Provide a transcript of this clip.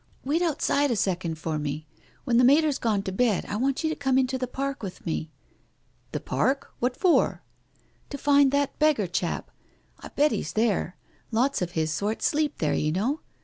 "Wait outside a second for me. When the Mater's gone to bed I want you to come into the Park with me." "The Park? What for? "" To find that beggar chap. I bet he's there. Lots of his sort sleep there, you know.